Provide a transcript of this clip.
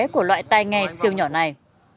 của loại tay nghe siêu nhỏ này